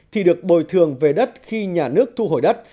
thì được bồi thường về đất khi nhà nước thu hồi đất